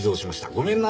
ごめんな。